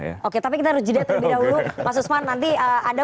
ya oke tapi kstarijod parlour ngundi a ada